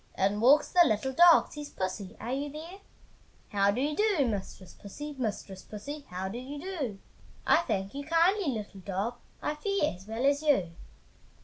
In walks the little dog, Says "Pussy! are you there?" "How do you do, Mistress Pussy? Mistress Pussy, how do you do?" "I thank you kindly, little dog, I fare as well as you!"